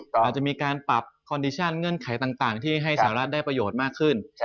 อาจจะมีการปรับคอนดิชั่นเงื่อนไขต่างที่ให้สหรัฐได้ประโยชน์มากขึ้น